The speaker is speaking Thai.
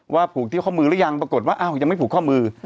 ผูกที่ข้อมือหรือยังปรากฏว่าอ้าวยังไม่ผูกข้อมือ